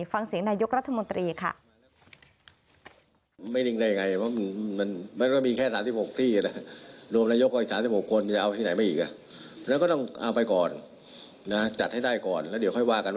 ฟังเสียงนายกรัฐมนตรีค่ะ